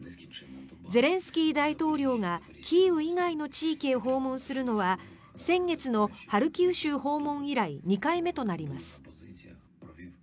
ゼレンスキー大統領がキーウ以外の地域へ訪問するのは先月のハルキウ州訪問以来２回目となります。